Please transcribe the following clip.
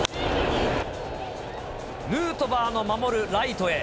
ヌートバーの守るライトへ。